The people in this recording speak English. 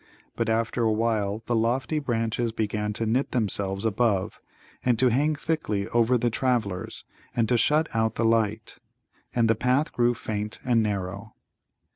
But after a while the lofty branches began to knit themselves above, and to hang thickly over the travellers, and to shut out the light. And the path grew faint and narrow.